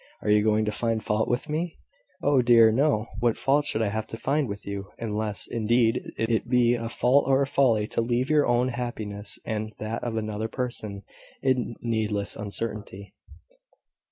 Are you going to find fault with me?" "Oh dear, no! What fault should I have to find with you? unless, indeed, it be a fault or a folly to leave your own happiness and that of another person in needless uncertainty."